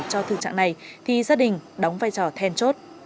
về tình trạng này thì gia đình đóng vai trò then chốt